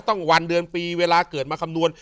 วันเดือนปีเวลาเกิดมาคำนวณ